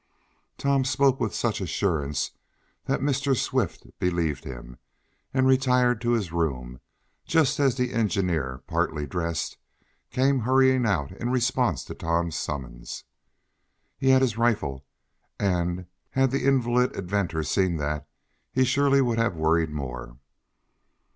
Tom spoke with such assurance that Mr. Swift believed him, and retired to his room, just as the engineer, partly dressed, came hurrying out in response to Tom's summons. He had his rifle, and, had the invalid inventor seen that, he surely would have worried more.